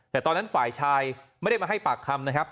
แต่ตอนนั้นฝ่ายชายไม่ได้มาให้ปากคำนะครับ